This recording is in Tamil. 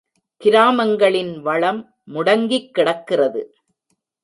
கிராமங்களின் வளம் முடங்கிக் கிடக்கிறது.